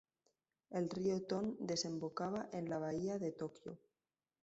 El río Tone desembocaba en la bahía de Tokio.